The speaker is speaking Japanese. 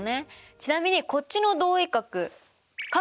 ちなみにこっちの同位角∠